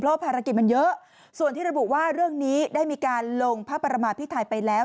เพราะภารกิจมันเยอะส่วนที่ระบุว่าเรื่องนี้ได้มีการลงพระประมาพิไทยไปแล้ว